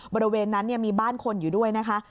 บริเวณนั้นมีบ้านคนอยู่ด้วยนะคะ